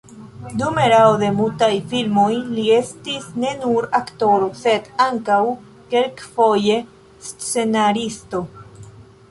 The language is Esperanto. Dum erao de mutaj filmoj li estis ne nur aktoro, sed ankaŭ kelkfoje scenaristo.